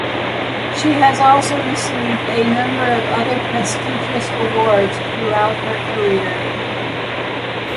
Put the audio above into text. She has also received a number of other prestigious awards throughout her career.